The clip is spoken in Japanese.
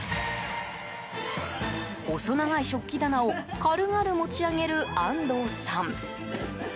細長い食器棚を軽々持ち上げる安東さん。